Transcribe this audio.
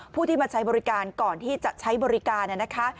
ผู้ที่มาใช้บริการก่อนที่จะใช้บริการนะคะ